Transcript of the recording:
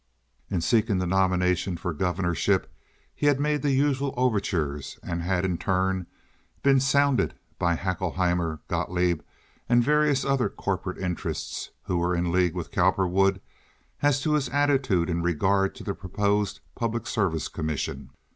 In seeking the nomination for governorship he had made the usual overtures and had in turn been sounded by Haeckelheimer, Gotloeb, and various other corporate interests who were in league with Cowperwood as to his attitude in regard to a proposed public service commission.